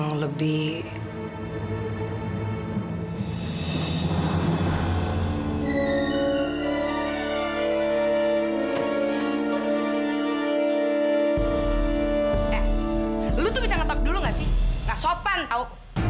gak sopan tau